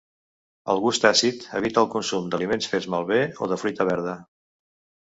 El gust àcid evita el consum d’aliments fets malbé o de fruita verda.